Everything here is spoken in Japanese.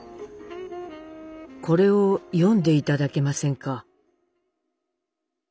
「これを読んで頂けませんか？」。